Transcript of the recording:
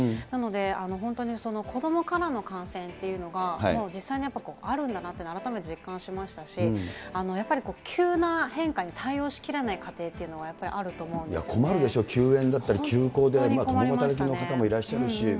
なので、本当に子どもからの感染というのが、実際にやっぱりあるんだなって、改めて実感しましたし、やっぱり急な変化に対応しきれない家庭というのはやっぱりあると困るでしょ、休園だったり休校で共働きの方もいらっしゃるし。